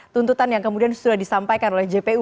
tuntutan yang kemudian sudah disampaikan oleh jpu